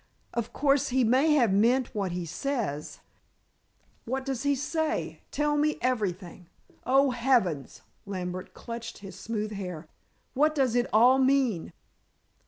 Of course, he may have meant what he says " "What does he say? Tell me everything. Oh, heavens!" Lambert clutched his smooth hair. "What does it all mean?"